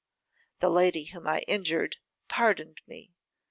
'The lady whom I injured, pardoned me.